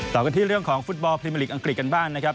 ต่อกันที่เรื่องของฟุตบอลพรีเมอร์ลีกอังกฤษกันบ้างนะครับ